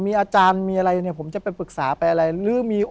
มีอาจารย์มีอะไรเนี่ยผมจะไปปรึกษาไปอะไรหรือมี